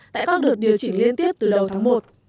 đã có được điều chỉnh liên tiếp từ đầu tháng một